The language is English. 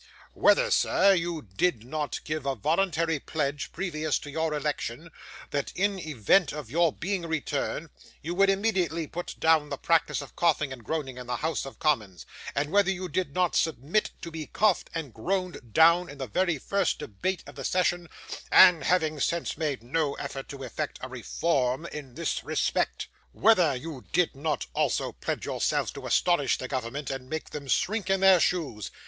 Whether, sir, you did not give a voluntary pledge previous to your election, that in event of your being returned, you would immediately put down the practice of coughing and groaning in the House of Commons. And whether you did not submit to be coughed and groaned down in the very first debate of the session, and have since made no effort to effect a reform in this respect? Whether you did not also pledge yourself to astonish the government, and make them shrink in their shoes?